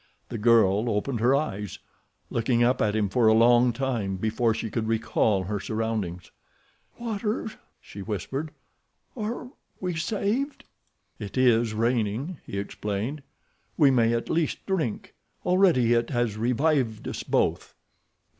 The girl opened her eyes, looking up at him for a long time before she could recall her surroundings. "Water?" she whispered. "Are we saved?" "It is raining," he explained. "We may at least drink. Already it has revived us both."